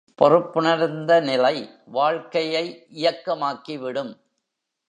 பொறுப்புணர்ந்த நிலை, வாழ்க்கையை இயக்கமாக்கி விடும்.